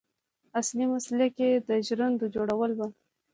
اصلي مسلک یې د ژرندو جوړول و.